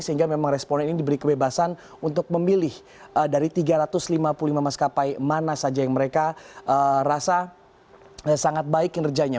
sehingga memang responden ini diberi kebebasan untuk memilih dari tiga ratus lima puluh lima maskapai mana saja yang mereka rasa sangat baik kinerjanya